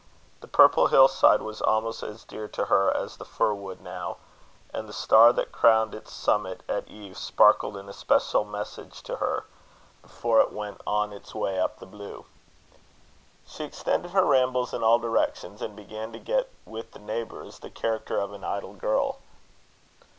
The purple hill side was almost as dear to her as the fir wood now; and the star that crowned its summit at eve, sparkled an especial message to her, before it went on its way up the blue. She extended her rambles in all directions, and began to get with the neighbours the character of an idle girl.